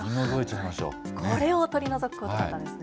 これを取り除くことだったんですね。